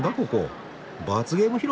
罰ゲーム広場か？